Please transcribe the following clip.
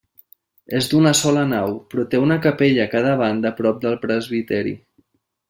És d'una sola nau, però té una capella a cada banda prop del presbiteri.